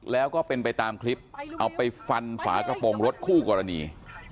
แล้วก็เป็นไปตามคลิปเอาไปฟันฝากระโปรงรถคู่กรณี